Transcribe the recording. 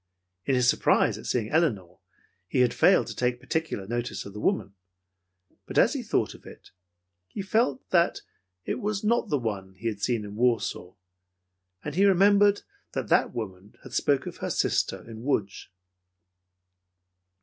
In his surprise at seeing, Elinor, he had failed to take particular notice of the woman. But as he thought of it, he felt that, it was not the one he had seen in Warsaw and he remembered that that woman had spoken of her sister in Lodz.